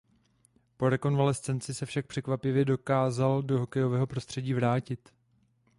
Po rekonvalescenci se však překvapivě dokázal do hokejového prostředí vrátit.